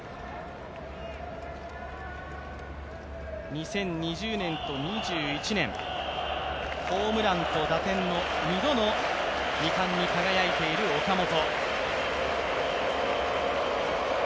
２０２０年と２１年、ホームランと打点の２度の二冠に輝いている岡本。